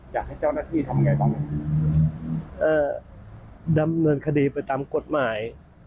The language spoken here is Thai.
อยากให้เจ้าหน้าที่ทำไงบ้างเอ่อดำเนินคดีไปตามกฎหมาย